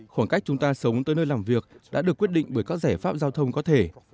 khoảng cách chúng ta sống tới nơi làm việc đã được quyết định bởi các giải pháp giao thông có thể